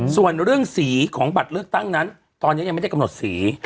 ส่วนเรื่องสีของบัตรเลือกตั้งนั้นตอนนี้ยังไม่ได้กำหนดสี